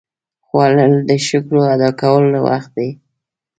خوړل د شکر ادا کولو وخت دی